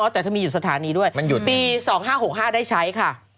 แต่จะมีอยู่สถานีด้วยปี๒๕๖๕ได้ใช้ค่ะ